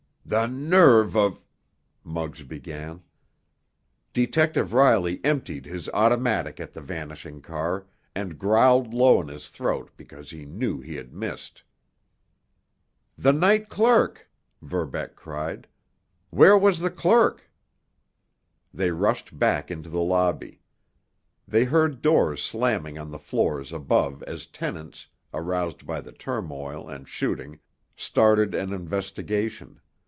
"The nerve of——" Muggs began. Detective Riley emptied his automatic at the vanishing car, and growled low in his throat because he knew he had missed. "The night clerk——" Verbeck cried. "Where was the clerk?" They rushed back into the lobby. They heard doors slamming on the floors above as tenants, aroused by the turmoil and shooting, started an investigation.